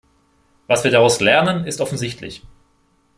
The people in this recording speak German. Was wir daraus lernen, ist offensichtlich.